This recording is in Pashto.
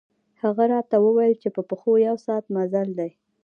هغه راته ووېل چې په پښو یو ساعت مزل دی.